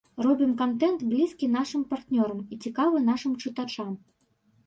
Робім кантэнт, блізкі нашым партнёрам і цікавы нашым чытачам.